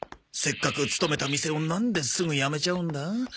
せっかく勤めた店をなんですぐ辞めちゃうんだ？